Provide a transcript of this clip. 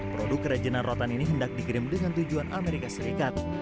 produk kerajinan rotan ini hendak dikirim dengan tujuan amerika serikat